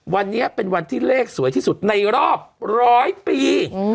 วันนี้เป็นวันที่เลขสวยที่สุดในรอบร้อยปี